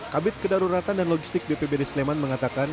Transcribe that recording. kabit kedaruratan dan logistik bpbd sleman mengatakan